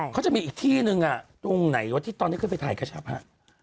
เขาจะมีอีกที่นึงตรงไหนวะที่ตอนนี้ขึ้นไปถ่ายกระชับฮะ